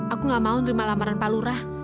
aku nggak mau nerima lamaran pak lura